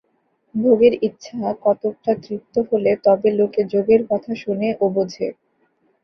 ভোগের ইচ্ছা কতকটা তৃপ্ত হলে তবে লোকে যোগের কথা শোনে ও বোঝে।